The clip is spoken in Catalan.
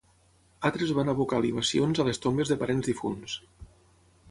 Altres van abocar libacions a les tombes de parents difunts.